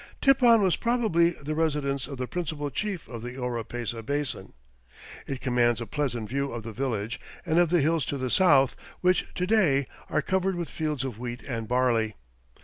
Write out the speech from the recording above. Tipon was probably the residence of the principal chief of the Oropesa Basin. It commands a pleasant view of the village and of the hills to the south, which to day are covered with fields of wheat and barley.